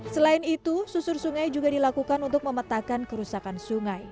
selain itu susur sungai juga dilakukan untuk memetakan kerusakan sungai